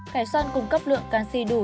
cải xoăn cung cấp lượng canxi đủ